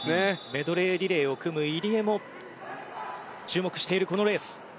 メドレーリレーを組む入江も注目しているこのレース。